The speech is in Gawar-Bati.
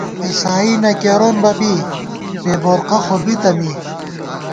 عِسائی نہ کېرون بہ بی، بےبورقہ خو بِتہ می